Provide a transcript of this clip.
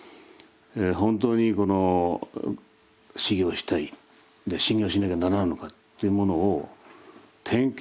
本当に修行をしたい修行しなきゃならないのかっていうものを点検